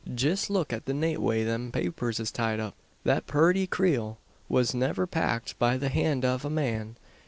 Jist look at the nate way them papers is tied up. That purty kreel was niver packed by the hand av a man.